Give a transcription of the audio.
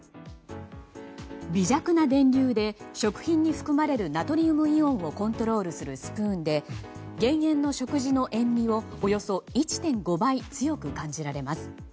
微弱な電流で食品に含まれるナトリウムイオンをコントロールするスプーンで減塩の食事の塩みをおよそ１．５倍強く感じられます。